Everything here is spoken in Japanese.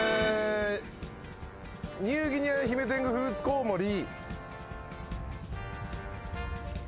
ニューギニアヒメテングフルーツコウモリ。